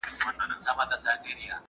ژبه مي د حق په نامه ګرځي بله نه مني `